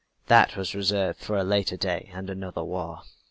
That was reserved for a later day and another war.